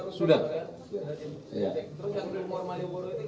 terus yang normalnya buruh itu gimana bang heri